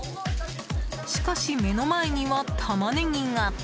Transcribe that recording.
しかし、目の前にはタマネギが。